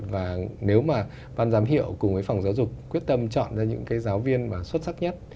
và nếu mà văn giám hiệu cùng phòng giáo dục quyết tâm chọn ra những giáo viên xuất sắc nhất